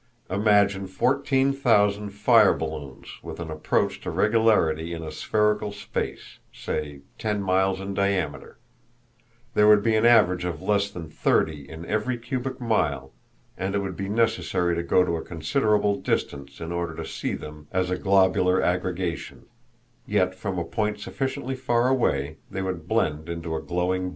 Imagine fourteen thousand fire balloons with an approach to regularity in a spherical space—say, ten miles in diameter; there would be an average of less than thirty in every cubic mile, and it would be necessary to go to a considerable distance in order to see them as a globular aggregation; yet from a point sufficiently far away they would blend into a glowing ball.